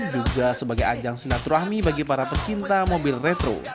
juga sebagai ajang silaturahmi bagi para pecinta mobil retro